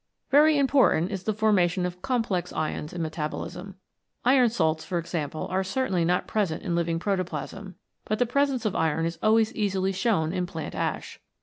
Very important is the formation of Complex Ions in metabolism. Iron salts, for example, are certainly not present in living protoplasm, but the presence of iron is always easily shown in plant ash.